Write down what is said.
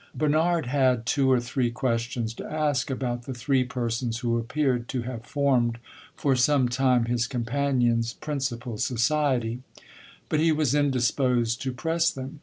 Bernard had two or three questions to ask about the three persons who appeared to have formed for some time his companion's principal society, but he was indisposed to press them.